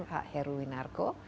pak heru winarko